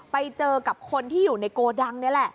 ไปเจอกับคนที่อยู่ในโกดังนี่แหละ